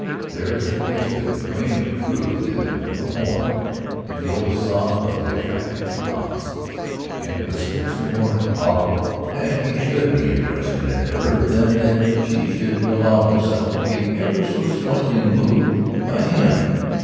There is at least a grain of truth, if no more, in the old saw of the attraction of opposites. And it was scarcely more improbable that he should be interested in her than that she should allow herself to be ever so slightly moved by him.